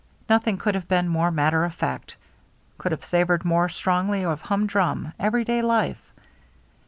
Nothing could have been more matter of fact, could have savored more strongly of humdrum, everyday life.